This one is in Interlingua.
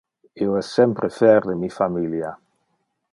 Io es sempre fer de mi familia.